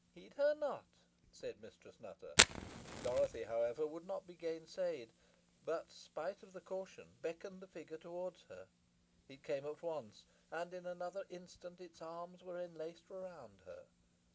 "Heed her not," said Mistress Nutter. Dorothy, however, would not be gainsaid, but, spite of the caution, beckoned the figure towards her. It came at once, and in another instant its arms were enlaced around her.